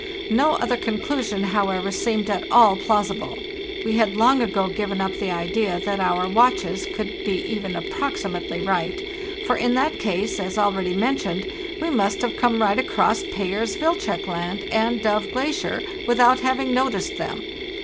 No other conclusion, however seemed at all plausible. We had long ago given up the idea that our watches could be even approximately right; for in that case, as already mentioned, we must have come right across Payer's Wilczek Land and Dove Glacier without having noticed them.